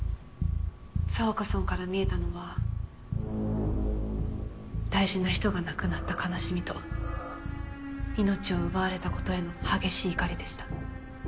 佐和子さんから見えたのは大事な人が亡くなった悲しみと命を奪われたことへの激しい怒りでした。